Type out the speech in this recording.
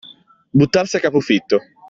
Buttarsi a capo fitto.